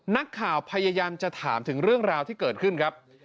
นักข่าวพยายามจะถามถึงเรื่องราวที่เกิดขึ้นครับ